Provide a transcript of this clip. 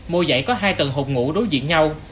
mỗi dãy có hai tầng hộp ngủ đối diện nhau